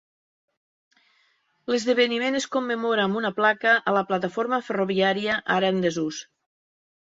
L'esdeveniment es commemora amb una placa a la plataforma ferroviària ara en desús.